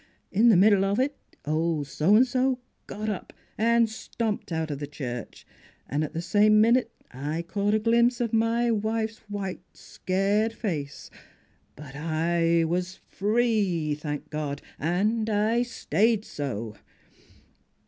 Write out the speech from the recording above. In the middle of it old So an' so got up an' stomped out of the church ; an' at the same minute I caught a glimpse of my wife's white, scared face. But I was free, thank God. And I stayed so